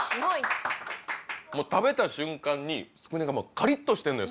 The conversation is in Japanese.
食べた瞬間につくねがカリッとしてんのよ